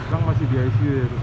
kamu masih di icu ya